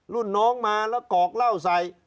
รุ่นน้องมาแล้วกอกเหล้าใส่